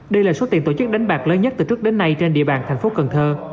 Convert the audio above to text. đây là số tiền tổ chức đánh bạc lớn nhất từ trước đến nay trên địa bàn thành phố cần thơ